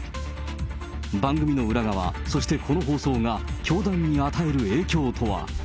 番組の裏側、そしてこの放送が教団に与える影響とは。